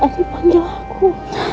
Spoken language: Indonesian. adik panjang aku